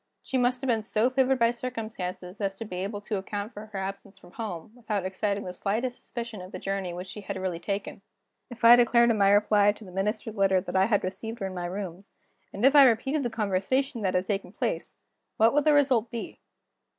She must have been so favored by circumstances as to be able to account for her absence from home, without exciting the slightest suspicion of the journey which she had really taken, if I declared in my reply to the Minister's letter that I had received her in my rooms, and if I repeated the conversation that had taken place, what would the result be?